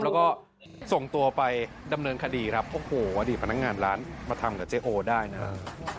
แล้วก็ส่งตัวไปดำเนินคดีครับโอ้โหอดีตพนักงานร้านมาทำกับเจ๊โอได้นะครับ